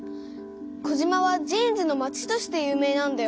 児島はジーンズのまちとして有名なんだよね。